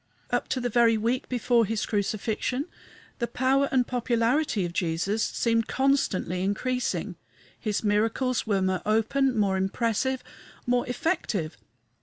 Up to the very week before his crucifixion the power and popularity of Jesus seemed constantly increasing. His miracles were more open, more impressive, more effective.